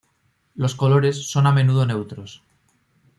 Los colores son a menudo neutros.